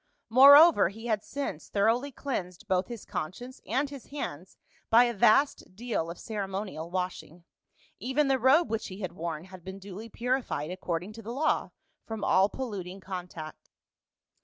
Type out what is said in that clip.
Moreover he had since thoroughly cleansed both his conscience and his hands by a vast deal of ceremonial washing ; even the robe which he had worn had been duly purified, according to the law, from all polluting contact.